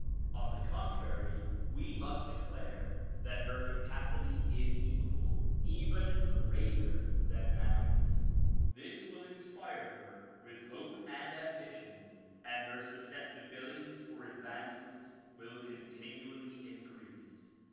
On the contrary, we must declare that her capacity is equal, even greater than man's. This will inspire her with hope and ambition and her susceptibilities for advancement will continually increase.